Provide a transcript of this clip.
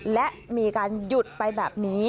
และมีการหยุดไปแบบนี้